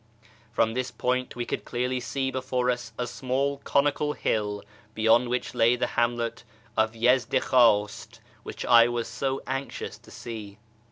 From this point we could clearly see before us a small conical hill, beyond which lay the hamlet of Yezdikhw; ist, which I was so anxious to see.